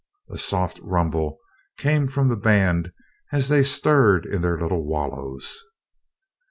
A soft rumble came from the band as they stirred in their little wallows.